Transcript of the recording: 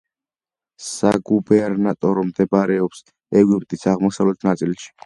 საგუბერნატორო მდებარეობს ეგვიპტის აღმოსავლეთ ნაწილში.